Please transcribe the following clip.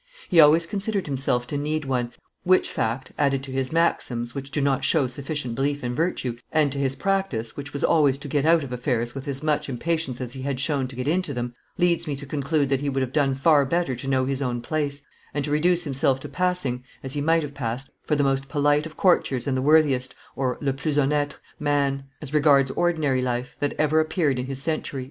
He always considered himself to need one, which fact, added to his maxims, which do not show sufficient belief in virtue, and to his practice, which was always to get out of affairs with as much impatience as he had shown to get into them, leads me to conclude that he would have done far better to know his own place, and reduce himself to passing, as he might have passed, for the most polite of courtiers and the worthiest (le plus honnete) man, as regards ordinary life, that ever appeared in his century."